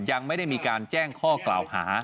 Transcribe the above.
ยังไม่ได้มีการแจ้งข้อกล่าวหา